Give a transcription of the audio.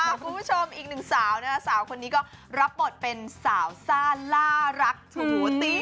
คุณผู้ชมอีกหนึ่งสาวนะคะสาวคนนี้ก็รับบทเป็นสาวซ่าล่ารักถูตี้